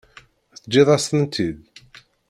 Teǧǧiḍ-as-tent-id?